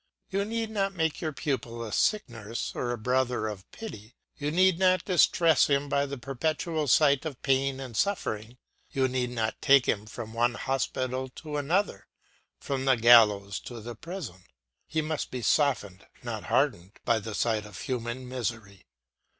You need not make your pupil a sick nurse or a Brother of Pity; you need not distress him by the perpetual sight of pain and suffering; you need not take him from one hospital to another, from the gallows to the prison. He must be softened, not hardened, by the sight of human misery.